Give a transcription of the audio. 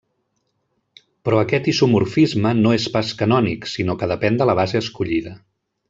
Però aquest isomorfisme no és pas canònic, sinó que depèn de la base escollida.